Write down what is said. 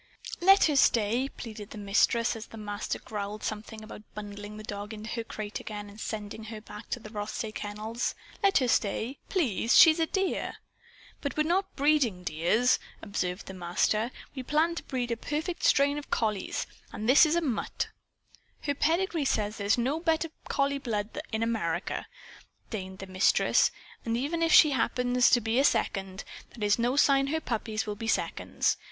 "Let her stay!" pleaded the Mistress as the Master growled something about bundling the dog into her crate again and sending her back to the Rothsay Kennels. "Let her stay, please! She's a dear." "But we're not breeding 'dears,'" observed the Master. "We planned to breed a strain of perfect collies. And this is a mutt!" "Her pedigree says there's no better collie blood in America," denied the Mistress. "And even if she happens to be a 'second,' that's no sign her puppies will be seconds.